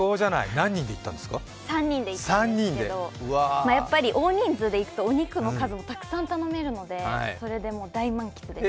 ３人で行ったんですけど、やっぱり大人数で行くとお肉の数もたくさん食べられるのでそれで大満喫です。